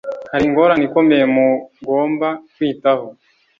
hari ingorane ikomeye mugomba kwitaho